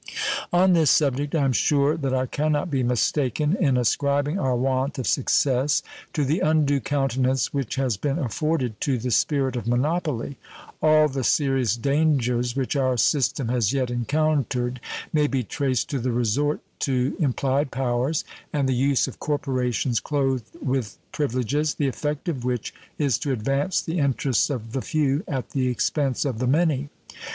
On this subject I am sure that I can not be mistaken in ascribing our want of success to the undue countenance which has been afforded to the spirit of monopoly. All the serious dangers which our system has yet encountered may be traced to the resort to implied powers and the use of corporations clothed with privileges, the effect of which is to advance the interests of the few at the expense of the many.